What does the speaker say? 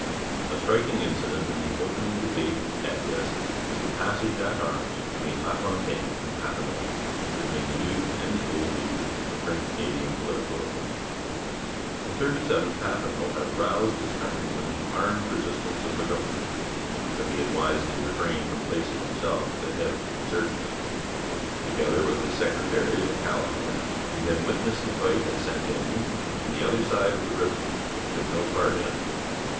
A striking incident in the opening debate on the Address was the passage at arms between LaFontaine and Papineau, between the new and the old leader of French Canadian political opinion. In '37 Papineau had roused his countrymen to armed resistance of the government; but he had wisely refrained from placing himself at the head of the insurgents. Together with his secretary, O'Callaghan, he had witnessed the fight at St Denis from the other side of the river, but took no part in it.